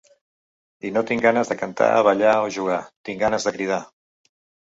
I no tinc ganes de cantar, ballar o jugar: tinc ganes de cridar.